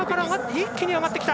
一気に上がってきた。